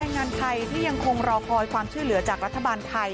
งานไทยที่ยังคงรอคอยความช่วยเหลือจากรัฐบาลไทย